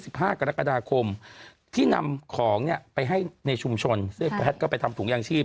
ห้ากรกฎาคมที่นำของเนี้ยไปให้ในชุมชนซึ่งแพทย์ก็ไปทำถุงยางชีพ